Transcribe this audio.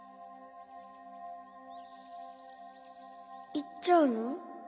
行っちゃうの？